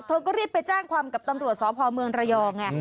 ก็รีบไปแจ้งความกับตำรวจสพเมืองระยองไง